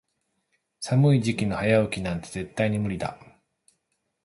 寒い時期の早起きなんて絶対に無理だ。